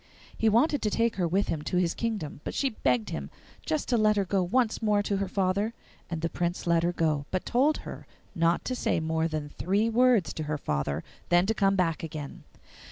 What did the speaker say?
He wanted to take her with him to his kingdom, but she begged him just to let her go once more to her father; and the Prince let her go, but told her not to say more than three words to her father, then to come back again.